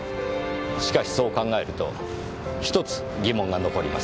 しかしそう考えると１つ疑問が残ります。